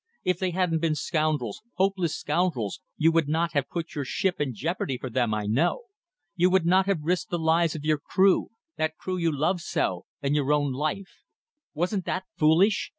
If they hadn't been scoundrels hopeless scoundrels you would not have put your ship in jeopardy for them, I know. You would not have risked the lives of your crew that crew you loved so and your own life. Wasn't that foolish!